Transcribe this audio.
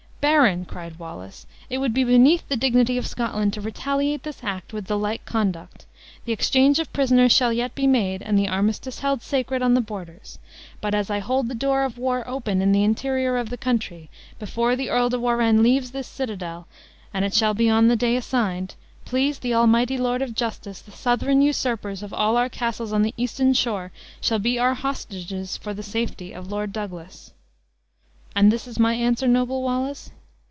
"Baron," cried Wallace, "it would be beneath the dignity of Scotland, to retaliate this act with the like conduct. The exchange of prisoners shall yet be made, and the armistice held sacred on the borders. But, as I hold the door of war open in the interior of the country, before the Earl de Warenne leaves this citadel (and it shall be on the day assigned), please the Almighty Lord of Justice, the Southron usurpers of all our castles on the eastern shore shall be our hostages for the safety of Lord Douglas." "And this is my answer, noble Wallace?"